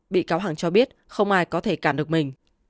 bị cáo hằng cho biết không ai có thể cản được mình